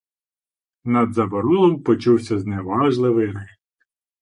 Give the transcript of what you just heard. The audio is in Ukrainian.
Над заборолом почувся зневажливий регіт: